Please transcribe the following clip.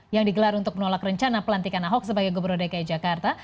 yang digelar untuk menolak rencana pelantikan ahok sebagai gubernur dki jakarta